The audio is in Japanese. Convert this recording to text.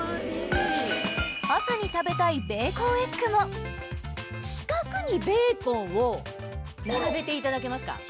朝に食べたいベーコンエッグも四角にベーコンを並べていただけますか？